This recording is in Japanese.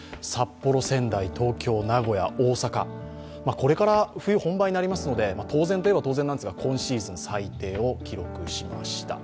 これから冬本番になりますので、当然と言えば当然なんですが、今シーズン最低を記録しました。